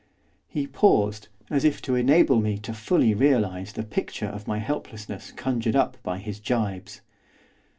He paused, as if to enable me to fully realise the picture of my helplessness conjured up by his jibes.